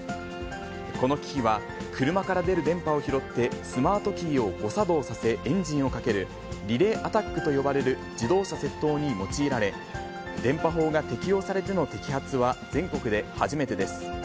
この機器は、車から出る電波を拾って、スマートキーを誤作動させ、エンジンをかける、リレーアタックと呼ばれる自動車窃盗に用いられ、電波法が適用されての摘発は全国で初めてです。